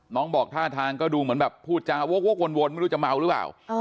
บอกท่าทางก็ดูเหมือนแบบพูดจาวกวนไม่รู้จะเมาหรือเปล่า